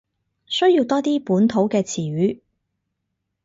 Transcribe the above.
需要多啲本土嘅詞語